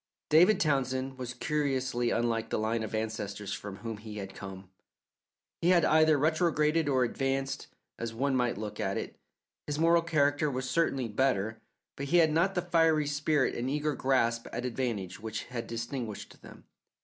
David Townsend was curiously unlike the line of ancestors from whom he had come. He had either retrograded or advanced, as one might look at it. His moral character was certainly better, but he had not the fiery spirit and eager grasp at advantage which had distinguished them.